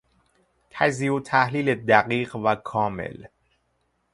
تجزیه و تحلیل دقیق و کامل